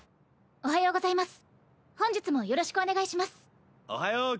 おはようございます。